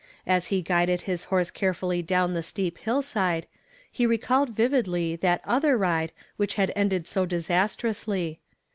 As he guided his horse carefully down the steep hillside, he recalled vividly that other ride which had ended so disastrously.